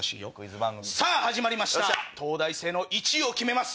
さぁ始まりました東大生の１位を決めます。